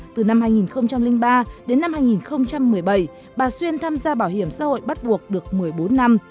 từ năm hai nghìn ba đến năm hai nghìn một mươi bảy bà xuyên tham gia bảo hiểm xã hội bắt buộc được một mươi bốn năm